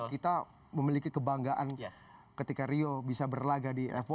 kita memiliki kebanggaan ketika rio bisa berlaga di f satu